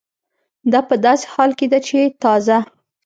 دا په داسې حال کې ده چې تازه